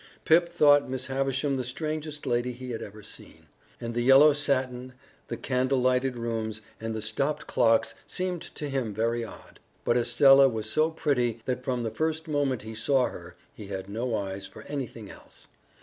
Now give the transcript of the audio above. Pip thought Miss Havisham the strangest lady he had ever seen, and the yellow satin, the candle lighted rooms, and the stopped clocks seemed to him very odd. But Estella was so pretty that from the first moment he saw her he had no eyes for anything else.